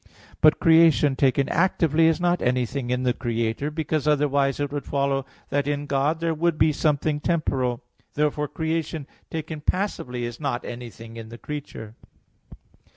But creation taken actively is not anything in the Creator, because otherwise it would follow that in God there would be something temporal. Therefore creation taken passively is not anything in the creature.